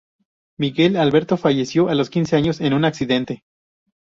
Miguel Alberto falleció a los quince años en un accidente.